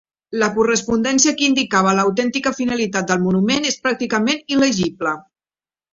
La correspondència que indicava l'autèntica finalitat del monument és pràcticament il·legible.